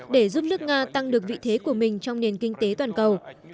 để giúp nước nga tăng được vị thế của mình trong nền kinh tế toàn cầu